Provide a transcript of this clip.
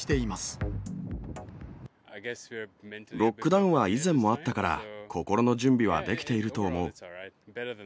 ロックダウンは以前もあったから、心の準備はできていると思う。